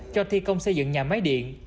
cho thi công xây dựng nhà máy điện